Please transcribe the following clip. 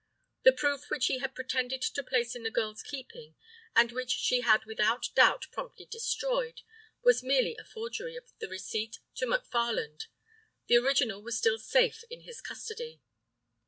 The proof which he had pretended to place in the girl's keeping, and which she had without doubt promptly destroyed, was merely a forgery of the receipt to McFarland. The original was still safe in his custody.